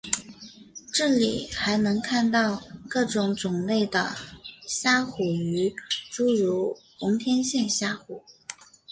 这里还能看到各种种类的虾虎鱼诸如红天线虾虎。